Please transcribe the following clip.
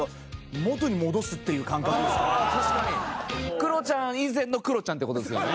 クロちゃん以前のクロちゃんって事ですよね？